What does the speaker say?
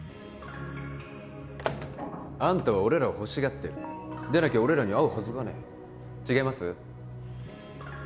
あんたは俺らを欲しがってるでなきゃ俺らに会うはずがねえ違います？